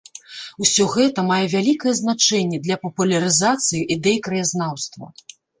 Усё гэта мае вялікае значэнне для папулярызацыі ідэй краязнаўства.